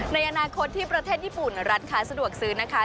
ในอนาคตที่ประเทศญี่ปุ่นร้านค้าสะดวกซื้อนะคะ